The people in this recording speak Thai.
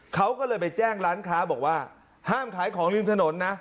เขาก็เลยไปแจ้งร้านค้าบอกว่าห้ามขายของริมถนนนะ